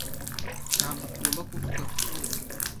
Ntabwo tugomba kuvuga kuri ubu.